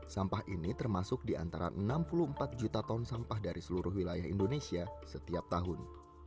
sampah ini termasuk di antara enam puluh empat juta ton sampah dari seluruh wilayah indonesia setiap tahun